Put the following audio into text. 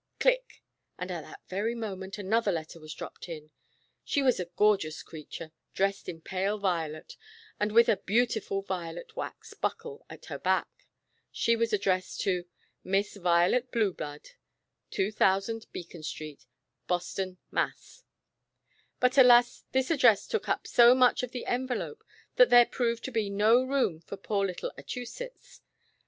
"Click," and at that ver} moment another letter w^as dropped in. She was a gorgeous creature, dressed in pale violet, and with a beau tiful violet wax buckle at her back. She was addressed to — Miss Violet Blueblood, 2000 Beacon St., Boston, Mass. But alas, this address took up so much of the en velope, that there proved to be no room for poor little Achusetts.